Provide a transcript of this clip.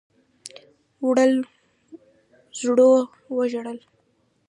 وړو _زړو ژړل.